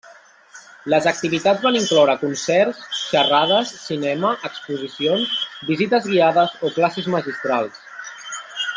Les activitats van incloure concerts, xerrades, cinema, exposicions, visites guiades o classes magistrals.